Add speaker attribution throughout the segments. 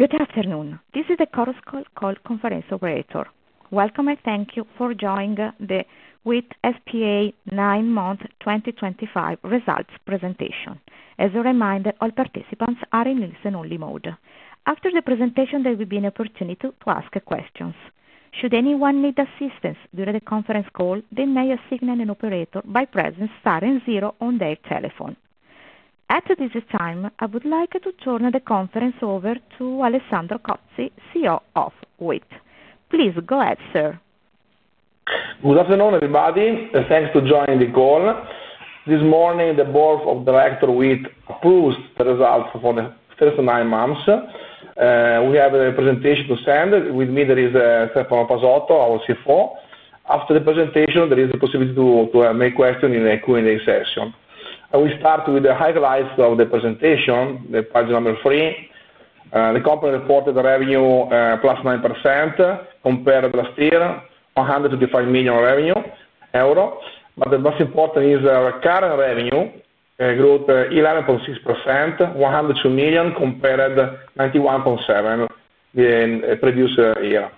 Speaker 1: Good afternoon. This is the Chorus Call conference operator. Welcome, and thank you for joining the WIIT SpA Nine Month 2025 Results Presentation. As a reminder, all participants are in listen-only mode. After the presentation, there will be an opportunity to ask questions. Should anyone need assistance during the conference call, they may assign an operator by pressing star and zero on their telephone. At this time, I would like to turn the conference over to Alessandro Cozzi, CEO of WIIT. Please go ahead, sir.
Speaker 2: Good afternoon, everybody, and thanks for joining the call. This morning, the board of directors of WIIT approved the results for the first nine months. We have a presentation to send. With me there is Stefano Pasotto, our CFO. After the presentation, there is a possibility to make questions in a Q&A session. We start with the highlights of the presentation, page number three. The company reported revenue +9% compared to last year, 125 million revenue. The most important is the current revenue growth, 11.6%, 102 million compared to 91.7 million in the previous year.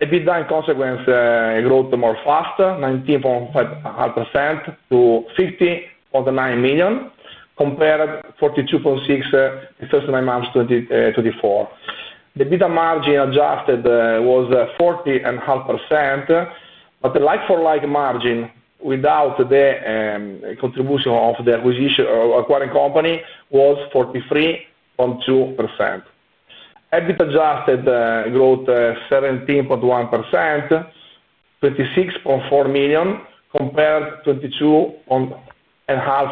Speaker 2: In that consequence, EBIT growth more fast, 19.5% to 50.9 million compared to 42.6 million in the first nine months 2024. The EBITDA margin adjusted was 40.5%, but the like-for-like margin without the contribution of the acquisition or acquiring company was 43.2%. EBIT adjusted growth 17.1%, 26.4 million compared to 22.5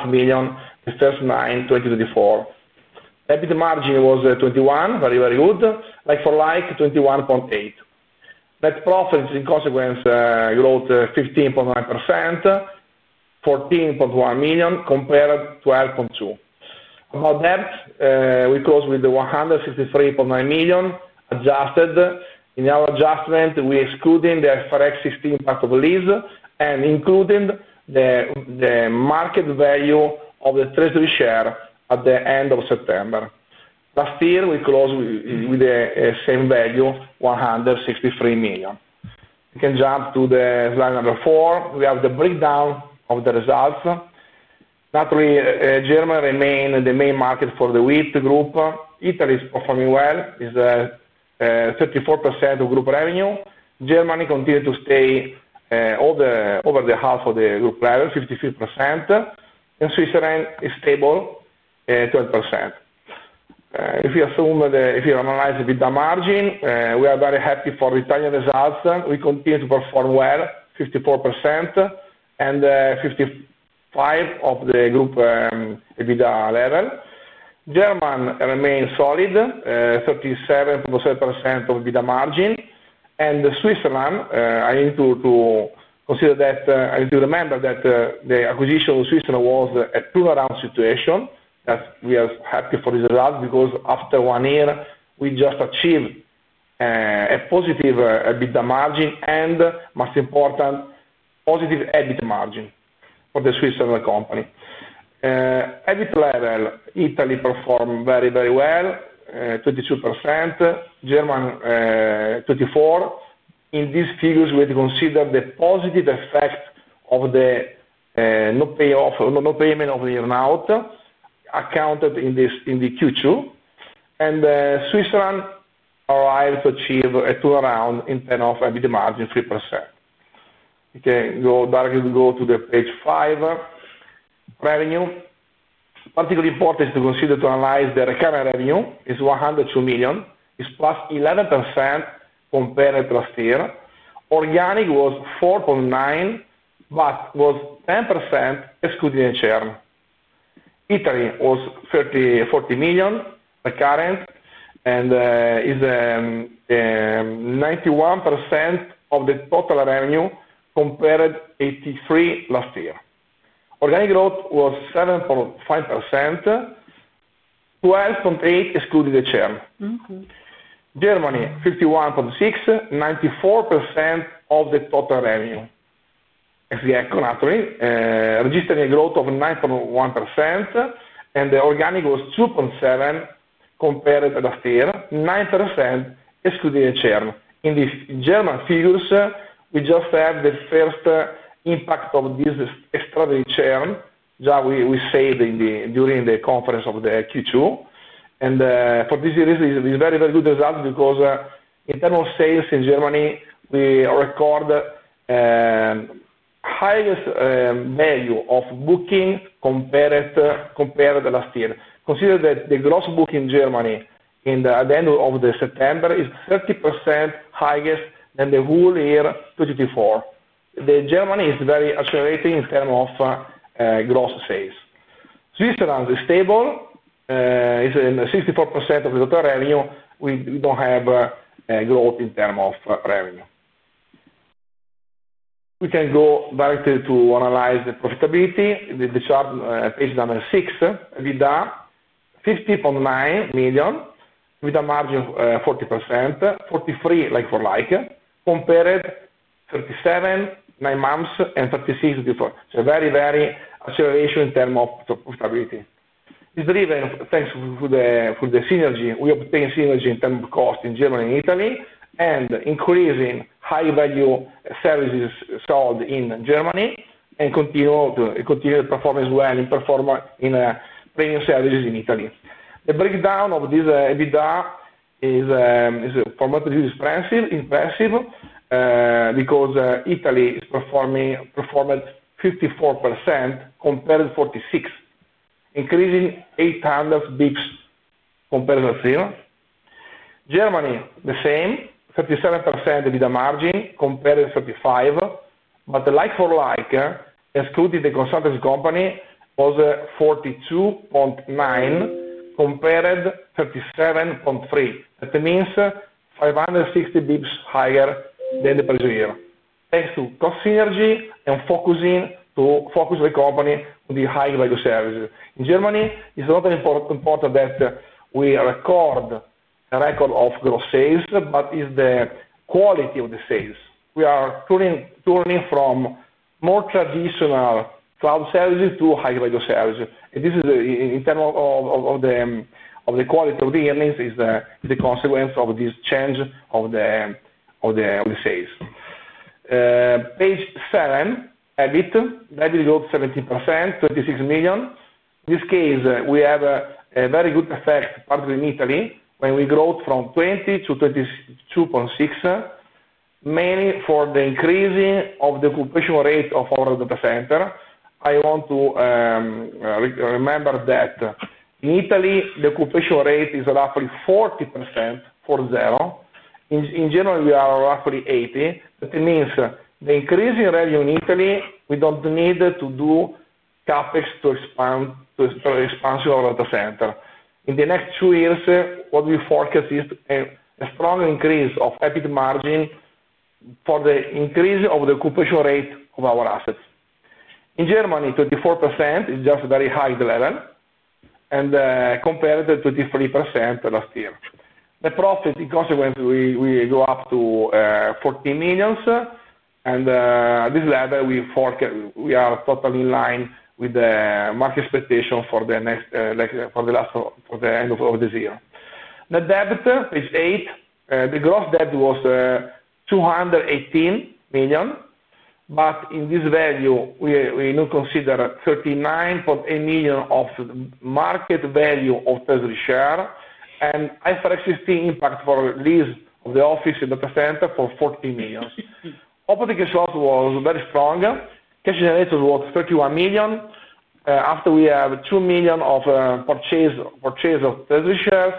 Speaker 2: million in the first nine 2024. EBIT margin was 21%, very, very good. Like-for-like, 21.8%. Net profit in consequence growth 15.9%, 14.1 million compared to 12.2 million. About that, we close with 163.9 million adjusted. In our adjustment, we excluded the IFRS 16 part of the lease and included the market value of the treasury share at the end of September. Last year, we closed with the same value, 163 million. We can jump to slide number four. We have the breakdown of the results. Naturally, Germany remained the main market for the WIIT group. Italy is performing well, is 34% of group revenue. Germany continued to stay over the half of the group revenue, 53%. Switzerland is stable, 12%. If we assume that if we analyze the EBITDA margin, we are very happy for the Italian results. We continue to perform well, 54% and 55% of the group EBITDA level. Germany remained solid, 37.7% of EBITDA margin. Switzerland, I need to consider that I need to remember that the acquisition of Switzerland was a turnaround situation. We are happy for the results because after one year, we just achieved a positive EBITDA margin and, most important, positive EBIT margin for the Swiss company. EBIT level, Italy performed very, very well, 22%. Germany, 24%. In these figures, we had to consider the positive effect of the no payment of the year-end account in Q2. Switzerland arrived to achieve a turnaround in terms of EBIT margin, 3%. We can directly go to page five, revenue. Particularly important to consider to analyze, the current revenue is 102 million. It's +11% compared to last year. Organic was 4.9%, but was 10% excluding HR. Italy was 40 million, the current, and is 91% of the total revenue compared to 83% last year. Organic growth was 7.5%, 12.8% excluding HR. Germany, 51.6%, 94% of the total revenue. Naturally, registering a growth of 9.1%, and the organic was 2.7% compared to last year, 9% excluding HR. In the German figures, we just have the first impact of this extra HR that we said during the conference of the Q2. For this reason, it is very, very good results because in terms of sales in Germany, we record highest value of booking compared to last year. Consider that the gross book in Germany at the end of September is 30% higher than the whole year 2024. Germany is very accelerating in terms of gross sales. Switzerland is stable. It is 64% of the total revenue. We do not have growth in terms of revenue. We can go directly to analyze the profitability. The chart page number six, EBITDA, 50.9 million with a margin of 40%, 43% like-for-like compared to 37% nine months and 36%. Very, very acceleration in terms of profitability. It's driven thanks to the synergy. We obtain synergy in terms of cost in Germany and Italy and increasing high-value services sold in Germany and continue to continue the performance well in premium services in Italy. The breakdown of this EBITDA is from what is impressive because Italy is performing 54% compared to 46%, increasing 800 basis points compared to last year. Germany, the same, 37% EBITDA margin compared to 35%. Like-for-like excluding the consulting company was 42.9% compared to 37.3%. That means 560 basis points higher than the previous year. Thanks to cost synergy and focusing to focus the company on the high-value services. In Germany, it's not important that we record a record of gross sales, but it's the quality of the sales. We are turning from more traditional cloud services to high-value services. This is in terms of the quality of the earnings, is the consequence of this change of the sales. Page seven, EBIT, EBIT growth 17%, 26 million. In this case, we have a very good effect, particularly in Italy, when we growth from 20 million to 22.6 million, mainly for the increasing of the occupation rate of our data center. I want to remember that in Italy, the occupation rate is roughly 40%. In Germany, we are roughly 80%. That means the increasing revenue in Italy, we don't need to do CAPEX to expand our data center. In the next two years, what we forecast is a strong increase of EBIT margin for the increase of the occupation rate of our assets. In Germany, 24% is just a very high level and compared to 23% last year. The profit, in consequence, we go up to 14 million. At this level, we are totally in line with the market expectation for the end of this year. The debt, page eight, the gross debt was 218 million. In this value, we now consider 39.8 million of market value of treasury share and IFRS 16 impact for lease of the office and data center for 14 million. Operating results was very strong. Cash generation was 31 million. After, we have 2 million of purchase of treasury shares.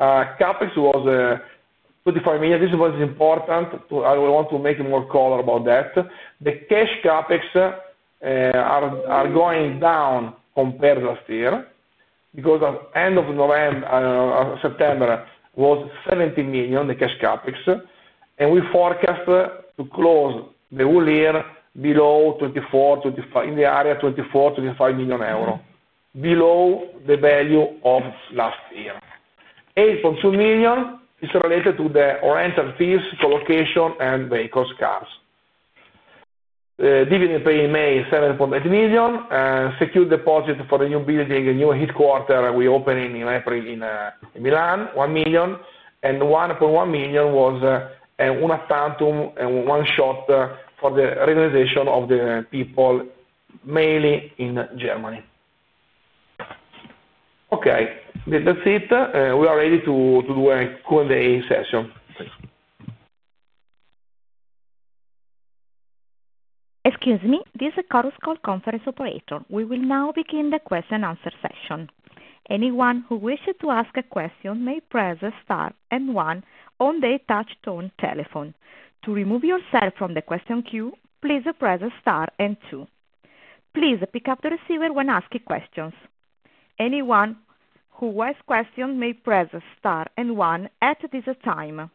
Speaker 2: CAPEX was 25 million. This was important. I want to make more color about that. The cash CAPEX are going down compared to last year because at the end of September was 17 million, the cash CAPEX. We forecast to close the whole year below 24-25 million euros, in the area 24-25 million euro, below the value of last year. 8.2 million is related to the rental fees, colocation, and vehicle scars. Dividend pay in May, 7.8 million. Secure deposit for the new building, a new headquarter we opened in April in Milan, 1 million. 1.1 million was a one-time and one-shot for the reorganization of the people mainly in Germany. Okay. That's it. We are ready to do a Q&A session.
Speaker 1: Excuse me, this is Chorus Call conference operator. We will now begin the question-answer session. Anyone who wishes to ask a question may press star and one on the touch-tone telephone. To remove yourself from the question queue, please press star and two. Please pick up the receiver when asking questions. Anyone who has questions may press star and one at this time.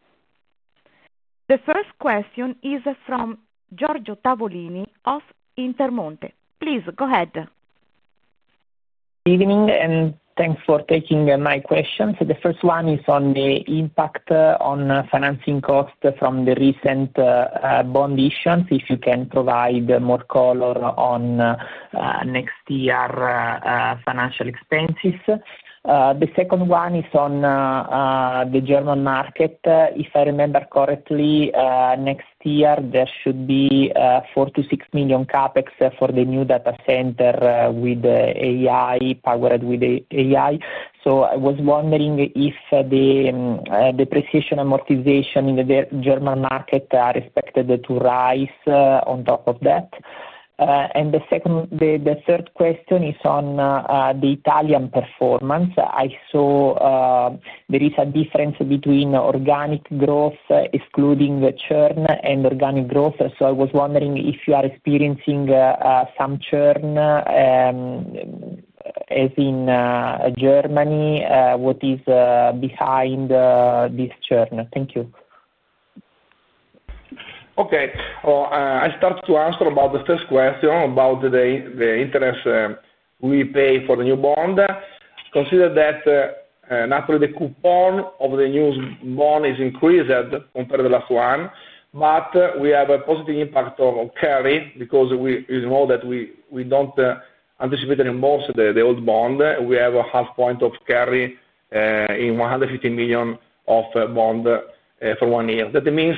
Speaker 1: The first question is from Giorgio Tavolini of Intermonte. Please go ahead.
Speaker 3: Good evening, and thanks for taking my questions. The first one is on the impact on financing costs from the recent bond issuance, if you can provide more color on next year's financial expenses. The second one is on the German market. If I remember correctly, next year, there should be 4-6 million CapEx for the new data center with AI, powered with AI. I was wondering if the depreciation amortization in the German market are expected to rise on top of that. The third question is on the Italian performance. I saw there is a difference between organic growth, excluding the churn, and organic growth. I was wondering if you are experiencing some churn as in Germany. What is behind this churn? Thank you.
Speaker 4: Okay. I start to answer about the first question about the interest we pay for the new bond. Consider that, naturally, the coupon of the new bond is increased compared to the last one, but we have a positive impact of carry because we know that we do not anticipate any more of the old bond. We have a half point of carry in 150 million of bond for one year. That means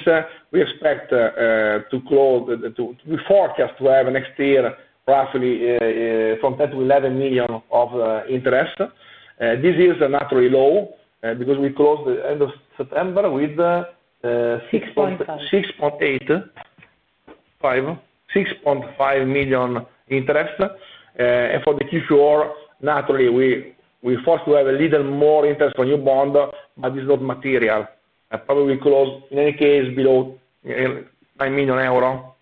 Speaker 4: we expect to close to we forecast to have next year roughly from 10 million to 11 million of interest. This is naturally low because we closed the end of September with 6.8 million.
Speaker 2: 6.5.
Speaker 4: 6.5 million interest. For the Q4, naturally, we force to have a little more interest on new bond, but it is not material. Probably we close in any case below 9 million euro.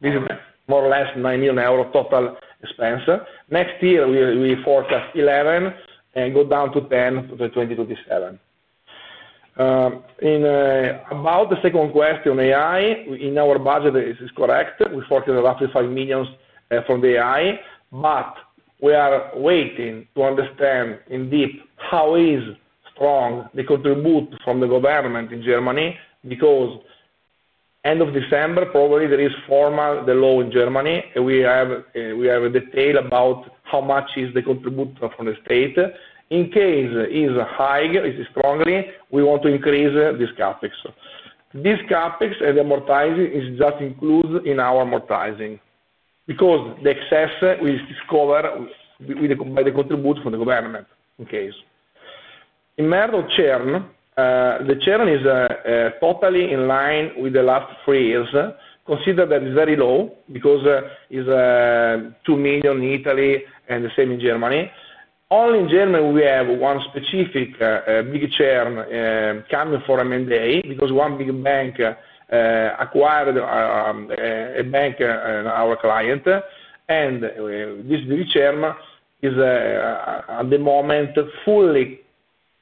Speaker 4: This is more or less 9 million euro total expense. Next year, we forecast 11 and go down to 10 to 2027. In about the second question, AI in our budget is correct. We forecast roughly 5 million from the AI, but we are waiting to understand in deep how is strong the contribution from the government in Germany because end of December, probably there is formal the law in Germany and we have a detail about how much is the contribution from the state. In case is high, it is strongly, we want to increase this CAPEX. This CAPEX and the amortizing is just included in our amortizing because the excess we discover by the contribution from the government in case. In merit of churn, the churn is totally in line with the last three years. Consider that it's very low because it's 2 million in Italy and the same in Germany. Only in Germany, we have one specific big churn coming for M&A because one big bank acquired a bank, our client. This big churn is at the moment fully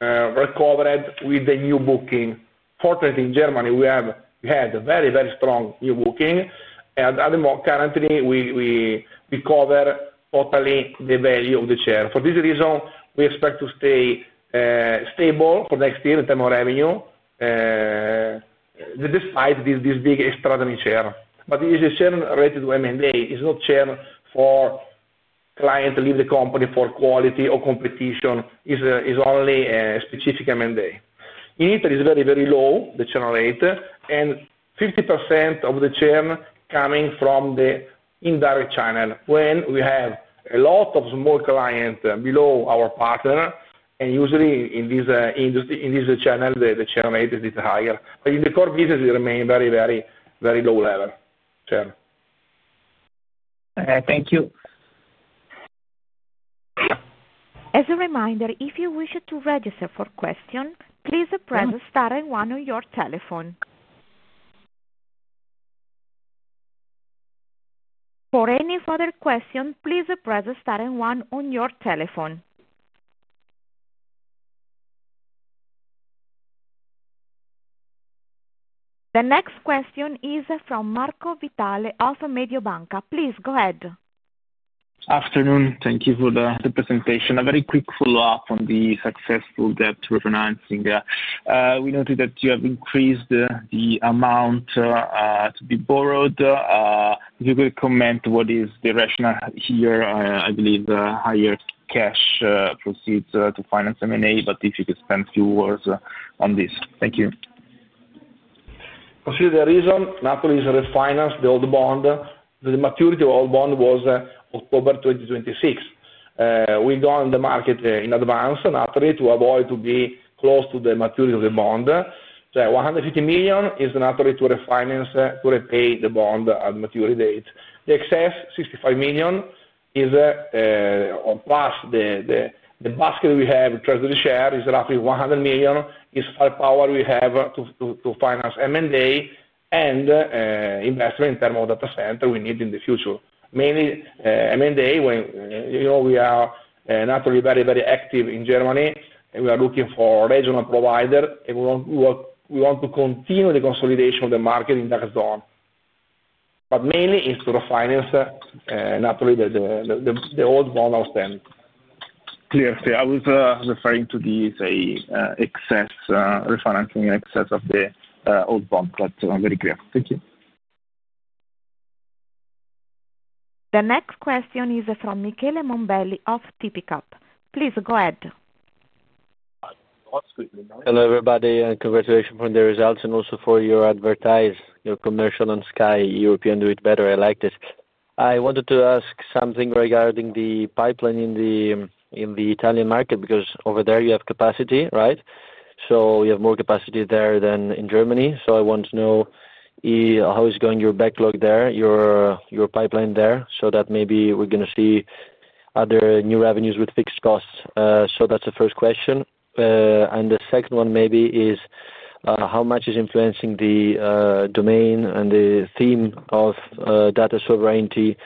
Speaker 4: recovered with the new booking. Fortunately, in Germany, we had a very, very strong new booking. Currently, we cover totally the value of the churn. For this reason, we expect to stay stable for next year in terms of revenue despite this big extraordinary churn. It is a churn related to M&A. It's not churn for client to leave the company for quality or competition. It's only a specific M&A. In Italy, it's very, very low, the churn rate. And 50% of the churn coming from the indirect channel when we have a lot of small clients below our partner. Usually, in this channel, the churn rate is a bit higher. In the core business, it remains very, very, very low level churn.
Speaker 3: Thank you.
Speaker 1: As a reminder, if you wish to register for a question, please press star and one on your telephone. For any further question, please press star and one on your telephone. The next question is from Marco Vitale of Mediobanca. Please go ahead.
Speaker 5: Afternoon. Thank you for the presentation. A very quick follow-up on the successful debt refinancing. We noted that you have increased the amount to be borrowed. If you could comment what is the rationale here, I believe higher cash proceeds to finance M&A, but if you could spend a few words on this. Thank you.
Speaker 4: Consider the reason naturally is refinance the old bond. The maturity of the old bond was October 2026. We go on the market in advance naturally to avoid to be close to the maturity of the bond. 150 million is naturally to refinance, to repay the bond at maturity date. The excess 65 million is plus the basket we have treasury share is roughly 100 million. It's power we have to finance M&A and investment in terms of data center we need in the future. Mainly M&A, we are naturally very, very active in Germany. We are looking for regional provider and we want to continue the consolidation of the market in that zone. Mainly it's to refinance naturally the old bond outstanding.
Speaker 5: Clear. I was referring to the excess refinancing and excess of the old bond. That's very clear. Thank you.
Speaker 1: The next question is from Michele Mombelli of TPCAP. Please go ahead.
Speaker 6: Hello everybody and congratulations for the results and also for your advertise, your commercial on Sky you can do it better. I liked it. I wanted to ask something regarding the pipeline in the Italian market because over there you have capacity, right? You have more capacity there than in Germany. I want to know how is going your backlog there, your pipeline there, so that maybe we're going to see other new revenues with fixed costs. That's the first question. The second one maybe is how much is influencing the domain and the theme of data sovereignty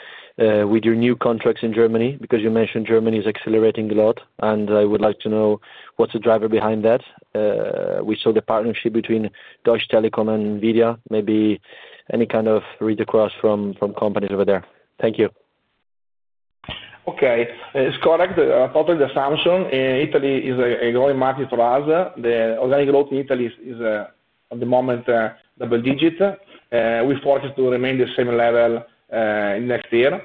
Speaker 6: with your new contracts in Germany because you mentioned Germany is accelerating a lot. I would like to know what's the driver behind that. We saw the partnership between Deutsche Telekom and Nvidia. Maybe any kind of read across from companies over there. Thank you.
Speaker 4: Okay. It's correct. Probably the same thing in Italy is a growing market for us. The organic growth in Italy is at the moment double digit. We forecast to remain the same level next year.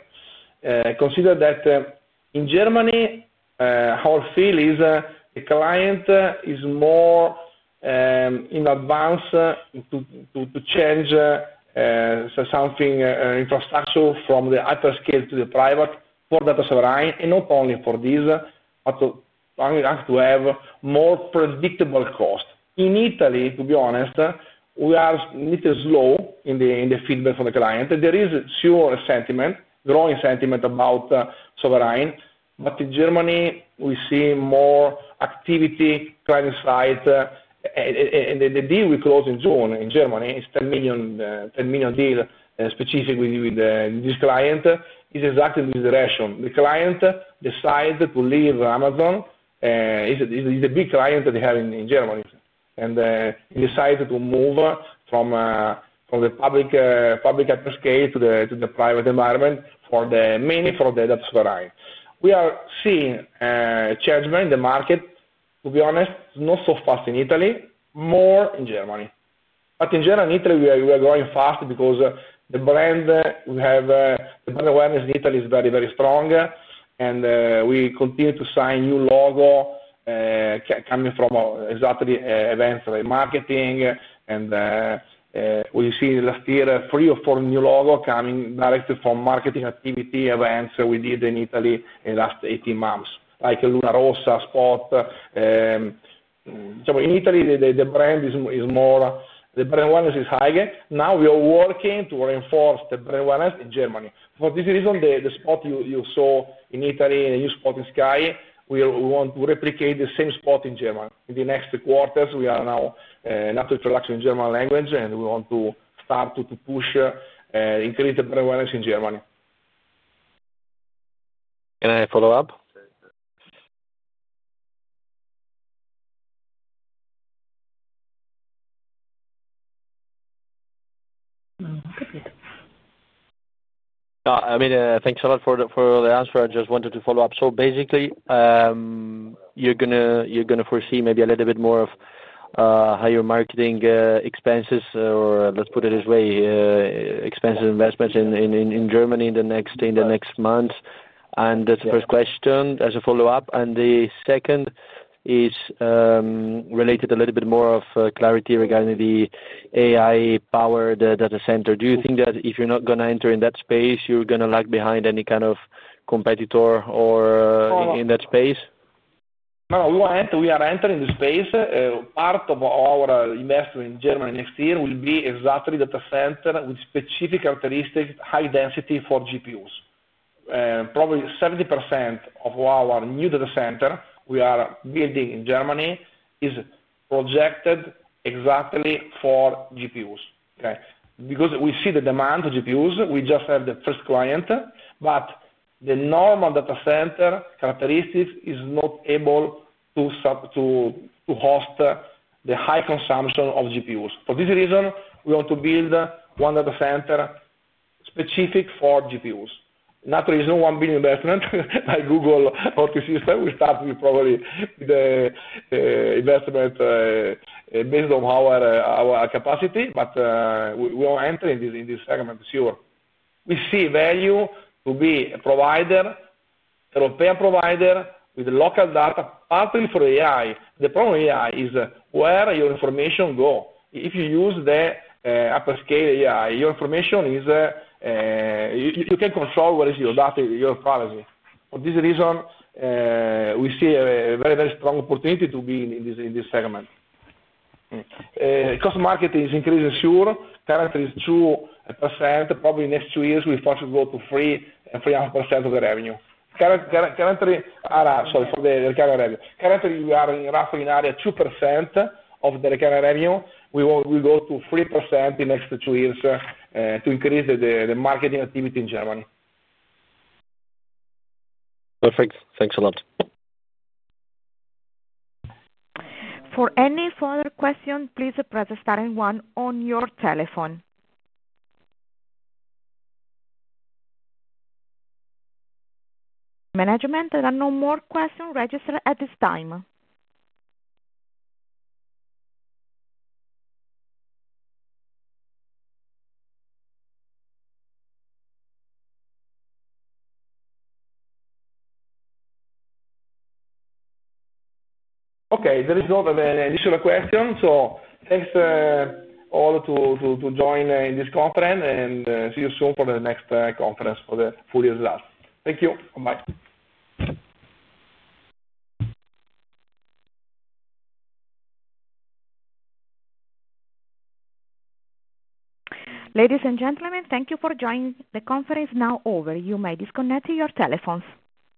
Speaker 4: Consider that in Germany, our feel is the client is more in advance to change something infrastructure from the hyperscale to the private for data sovereign. And not only for this, but to have more predictable cost. In Italy, to be honest, we are a little slow in the feedback from the client. There is a sure sentiment, growing sentiment about sovereign. In Germany, we see more activity, client insight. The deal we closed in June in Germany is 10 million deal specifically with this client. It's exactly this direction. The client decided to leave Amazon. It's a big client that they have in Germany. They decided to move from the public hyperscale to the private environment mainly for the data sovereignty. We are seeing a changement in the market, to be honest, not so fast in Italy, more in Germany. In general, in Italy, we are growing fast because the brand we have, the brand awareness in Italy is very, very strong. We continue to sign new logo coming from exactly events like marketing. We have seen last year three or four new logos coming directly from marketing activity events we did in Italy in the last 18 months, like Luna Rossa, Sport. In Italy, the brand awareness is higher. Now we are working to reinforce the brand awareness in Germany. For this reason, the spot you saw in Italy and the new spot in Sky, we want to replicate the same spot in Germany. In the next quarters, we are now not introducing the German language, and we want to start to push, increase the brand awareness in Germany.
Speaker 6: Can I follow up? I mean, thanks a lot for the answer. I just wanted to follow up. Basically, you're going to foresee maybe a little bit more of higher marketing expenses, or let's put it this way, expenses and investments in Germany in the next month. That's the first question as a follow-up. The second is related a little bit more of clarity regarding the AI-powered data center. Do you think that if you're not going to enter in that space, you're going to lag behind any kind of competitor in that space?
Speaker 4: No, we are entering the space. Part of our investment in Germany next year will be exactly data center with specific characteristics, high density for GPUs. Probably 70% of our new data center we are building in Germany is projected exactly for GPUs. Because we see the demand for GPUs, we just have the first client. The normal data center characteristics is not able to host the high consumption of GPUs. For this reason, we want to build one data center specific for GPUs. Naturally, it is not 1 billion investment by Google or Q-SYS. We start with probably the investment based on our capacity, but we are entering in this segment, sure. We see value to be a provider, a repair provider with local data, partly for AI. The problem with AI is where your information goes. If you use the hyperscale AI, your information is you can control what is your data, your privacy. For this reason, we see a very, very strong opportunity to be in this segment. Cost market is increasing, sure. Currently, it's 2%. Probably in next two years, we force to go to 3-3.5% of the revenue. Currently, sorry, for the recurring revenue. Currently, we are roughly in area 2% of the recurring revenue. We will go to 3% in next two years to increase the marketing activity in Germany.
Speaker 6: Perfect. Thanks a lot.
Speaker 1: For any further question, please press star and one on your telephone. Management, there are no more questions registered at this time.
Speaker 4: Okay. That is all the initial questions. So thanks all to join in this conference and see you soon for the next conference for the full results. Thank you. Goodbye.
Speaker 1: Ladies and gentlemen, thank you for joining. The conference is now over. You may disconnect your telephones.